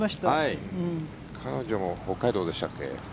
彼女も北海道でしたっけ。